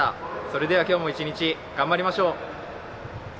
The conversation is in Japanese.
それでは今日も一日頑張りましょう。